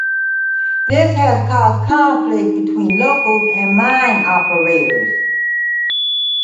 This has caused conflict between locals and mine operators.